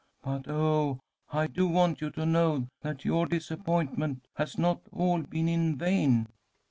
But, oh, I do want you to know that your disappointment has not all been in vain."